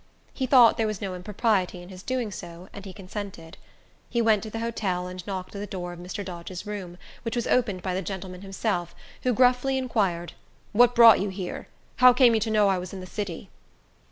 He thought there was no impropriety in his doing so, and he consented. He went to the hotel, and knocked at the door of Mr. Dodge's room, which was opened by the gentleman himself, who gruffly inquired, "What brought you here? How came you to know I was in the city?"